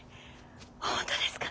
本当ですか？